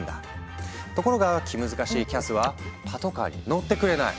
ところが気難しいキャスはパトカーに乗ってくれない。